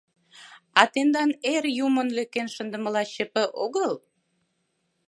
А тендан эр юмын лӧкен шындымыла ЧП огыл?